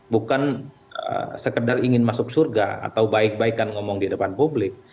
bukan sekedar ingin masuk surga atau baik baikan ngomong di depan publik